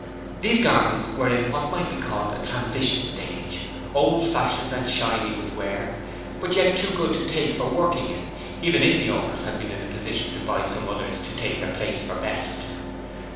These garments were in what might be called a transition stage old fashioned and shiny with wear, but yet too good to take for working in, even if their owners had been in a position to buy some others to take their place for best.